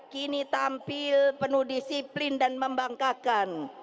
kini tampil penuh disiplin dan membangkakan